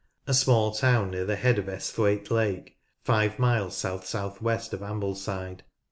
A small town near the head ot Ksthwaite Lake, five miles south south west of Ambleside.